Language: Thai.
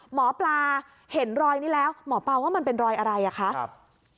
หมอปลาเห็นรอยนี้แล้วหมอปลาว่ามันเป็นรอยอะไรอ่ะคะครับ